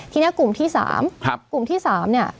ทีนี้กลุ่มที่สามครับกลุ่มที่สามเนี้ย